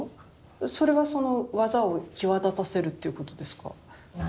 それはその技を際立たせるっていうことですか？